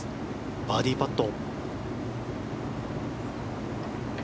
バーディーパット。